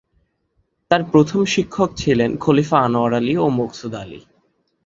তার প্রথম শিক্ষক ছিলেন খলিফা আনোয়ার আলী ও মকসুদ আলী।